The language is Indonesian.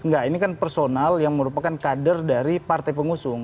enggak ini kan personal yang merupakan kader dari partai pengusung